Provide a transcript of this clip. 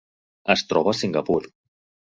Es troba a Singapur.